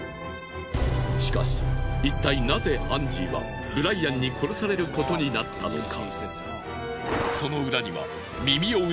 しかしいったいナゼアンジーはブライアンに殺されることになったのか。